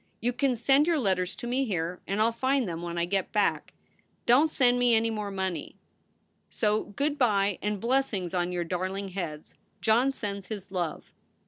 You can send your letters to me here and I ll find them when I get back. Don t send me any more money. So good by and blessings on your darling heads. John sends his love.